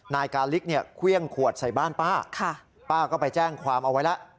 นายกาลิกเนี่ยเครื่องขวดใส่บ้านป้าป้าก็ไปแจ้งความเอาไว้แล้ว